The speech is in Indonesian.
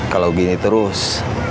kalau gini terus